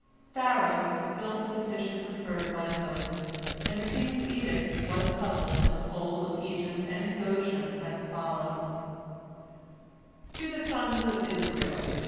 Pharaoh fulfilled the petition preferred by Moses, and the king's edict was published in the whole of Egypt and in Goshen, as follows: "To the sons of Israel!